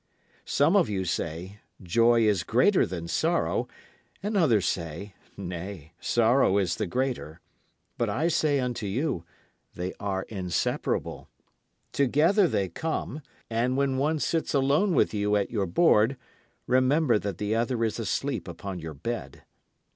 Some of you say, "Joy is greater than sorrow," and others say, "Nay, sorrow is the greater." But I say unto you, they are inseparable. Together they come, and when one sits alone with you at your board, remember that the other is asleep upon your bed.